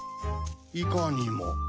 いかにも。